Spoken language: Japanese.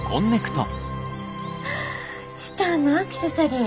チタンのアクセサリー